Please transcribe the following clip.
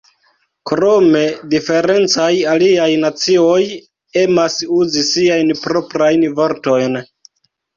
Krome, diferencaj aliaj nacioj emas uzi siajn proprajn vortojn.